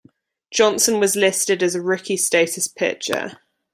Johnson was listed as a rookie status pitcher.